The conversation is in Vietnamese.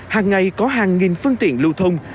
hàng ngày có hàng nghìn phương tiện lưu thông